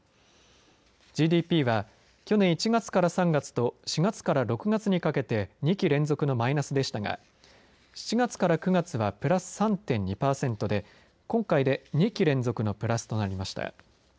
ＧＤＰは去年１月から３月と４月から６月にかけて２期連続のマイナスでしたが７月から９月はプラス３．２パーセントで今回で２期連続のプラスとなりました。